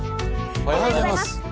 おはようございます。